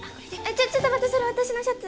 ちょっちょっと待ってそれ私のシャツ。